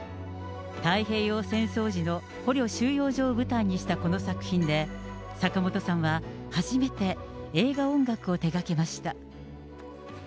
太平洋戦争時の捕虜収容所を舞台にしたこの作品で、坂本さんは初めて映画音楽を手がけました。